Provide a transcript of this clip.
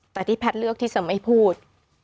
แต่ที่แพทย์เลือกที่จะไม่พูด